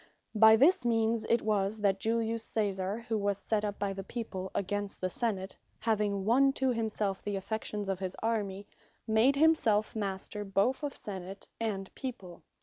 By this means it was, that Julius Caesar, who was set up by the People against the Senate, having won to himselfe the affections of his Army, made himselfe Master, both of Senate and People.